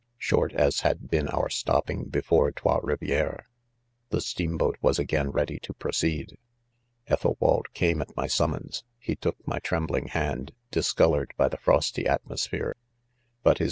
4 Short as had been our ; stopping before Trots Rivieres^ the steamboat was again ready to proceed. , j Ethelwald .came at my summons, he tpok my, trembling. hand, discolored: by the frosty, atmosphere,, but jbig.